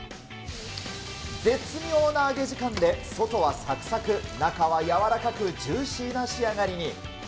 絶妙な揚げ時間で外はさくさく、中は軟らかくジューシーな仕上がりに。